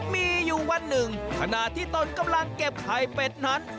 มีอยู่วันหนึ่งขณะที่ตนกำลังเก็บไข่เป็ดนั้น